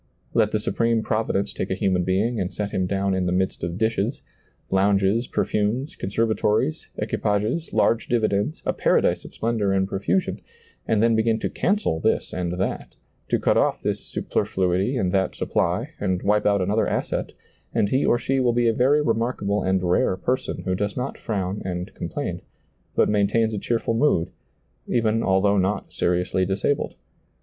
Let the Supreme Provi dence take a human being and set him down in the midst of dishes, lounges, perfumes, conserva tories, equipages, large dividends, a paradise of splendor and profusion, and then begin to cancel this and that, to cut off this superfluity and that supply, and wipe out another asset, and he or she will be a very remarkable and rare person who does not frown and complain, but maintains a cheer ful mood, even although not seriously disabled.